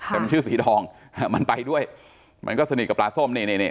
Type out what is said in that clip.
แต่มันชื่อสีทองมันไปด้วยมันก็สนิทกับปลาส้มนี่นี่